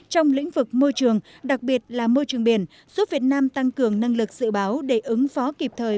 trong lĩnh vực môi trường đặc biệt là môi trường biển giúp việt nam tăng cường năng lực dự báo để ứng phó kịp thời